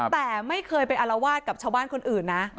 แต่ไม่เคยไปอารวาสกับชาวบ้านคนอื่นนะ